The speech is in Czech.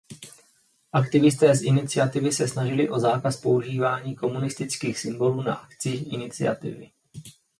Aktivisté z iniciativy se snažili o zákaz používání komunistických symbolů na akcích iniciativy.